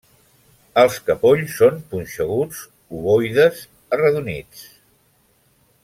Els capolls són punxeguts, ovoides, arredonits.